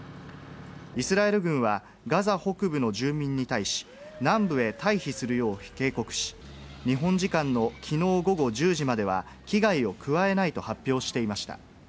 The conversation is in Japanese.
イスラエル軍はガザ北部の住民に対し、南部へ退避するよう警告し、日本時間のきのう午後１０時までは、危害を加えないと発表していました。